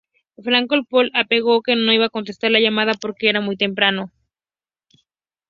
Francisco Pol alegó que no iba a contestar la llamada porque era muy temprano.